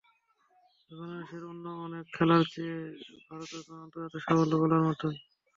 তবে বাংলাদেশের অন্য অনেক খেলার চেয়ে ভারোত্তোলনে আন্তর্জাতিক সাফল্য বলার মতোই।